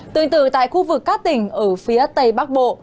tương tự tại khu vực các tỉnh ở phía tây bắc bộ